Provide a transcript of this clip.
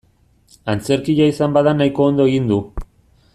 Antzerkia izan bada nahiko ondo egin du.